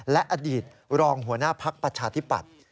และอดีตรองหัวหน้าภักดิ์ประชาธิปัตย์